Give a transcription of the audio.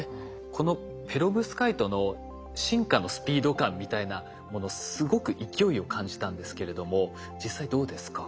このペロブスカイトの進化のスピード感みたいなものすごく勢いを感じたんですけれども実際どうですか？